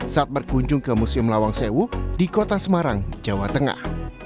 saat berkunjung ke museum lawang sewu di kota semarang jawa tengah